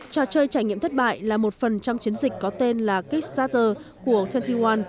trò chơi trải nghiệm thất bại là một phần trong chiến dịch có tên là kickstarter của hai mươi một